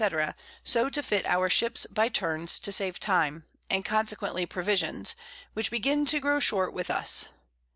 _ so to fit our Ships by turns to save time, and consequently Provisions, which begin to grow short with us.